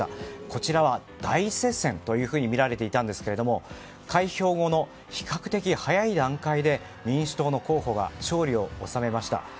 こちらは大接戦というふうに見られていたんですが開票後の比較的早い段階で民主党の候補が勝利を収めました。